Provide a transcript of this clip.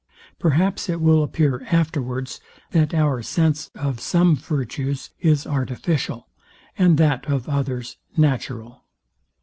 Perhaps it will appear afterwards, that our sense of some virtues is artificial, and that of others natural.